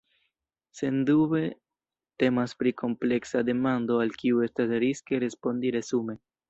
Sendube temas pri kompleksa demando al kiu estas riske respondi resume.